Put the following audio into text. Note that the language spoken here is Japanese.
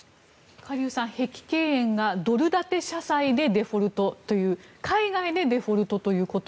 カ・リュウさん、碧桂園がドル建て社債でデフォルトという海外でデフォルトということ。